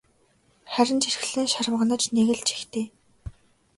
Харин ч эрхлэн шарваганаж нэг л жигтэй.